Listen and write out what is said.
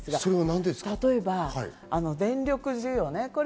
例えば、電力需要。